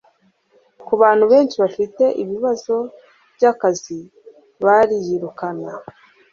Kubantu benshi bafite ibibazo byakazi bariyukana